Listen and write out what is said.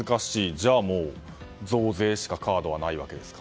じゃあもう増税しかカードはないわけですか。